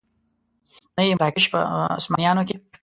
نه یې مراکش په عثمانیانو کې.